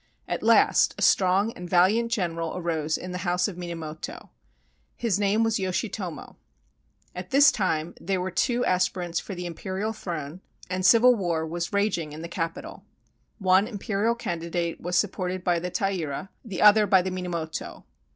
At last a strong and valiant general arose in the House of Minamoto. His name was Yoshitomo. At this time there were two as pirants for the imperial throne and civil war was raging in the capital. One imperial candidate was supported by the Taira, the other by the Minamoto.